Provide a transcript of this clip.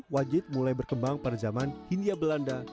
wajit mulai berkembang pada zaman hindia belanda